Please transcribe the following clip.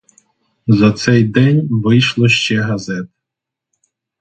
За цей день вийшло ще газет.